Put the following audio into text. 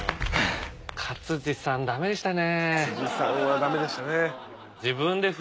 勝地さんは駄目でしたね。